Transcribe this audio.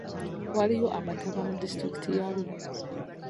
Waliyo amataba mu disitulikiti ya Arua.